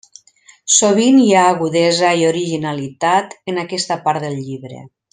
Sovint hi ha agudesa i originalitat en aquesta part del llibre.